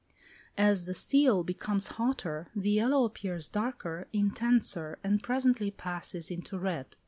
As the steel becomes hotter, the yellow appears darker, intenser, and presently passes into red.